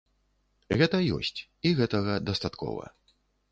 Гэта ёсць, і гэтага дастаткова.